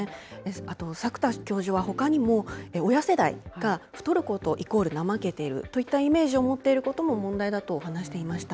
あと、作田教授はほかにも、親世代が、太ることイコール怠けているといったイメージを持っていることも問題だと話していました。